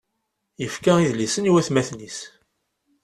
Yefka idlisen i watmaten-is.